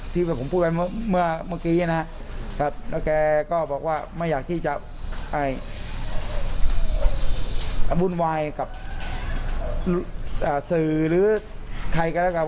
ที่ผมพูดไปเมื่อกี้นะครับแล้วแกก็บอกว่าไม่อยากที่จะวุ่นวายกับสื่อหรือใครก็แล้วกัน